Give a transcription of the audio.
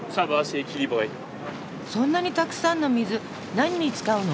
そんなにたくさんの水何に使うの？